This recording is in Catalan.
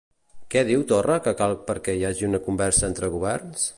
Què diu Torra que cal perquè hi hagi una conversa entre governs?